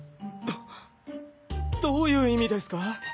あどういう意味ですか？